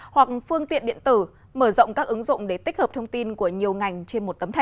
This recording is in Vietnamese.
hoặc phương tiện điện tử mở rộng các ứng dụng để tích hợp thông tin của nhiều ngành trên một tấm thẻ